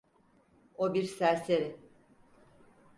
O bir serseri.